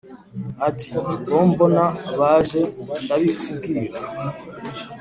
Ati : Ubwo mbona baje ndabikubwira